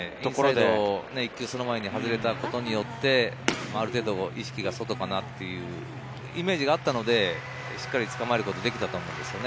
一球その前に外れたことによって、ある程度意識が外かなっていうイメージがあったので、しっかりつかまえることができたと思うんですよね。